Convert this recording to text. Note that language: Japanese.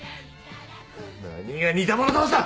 何が似た者同士だ！？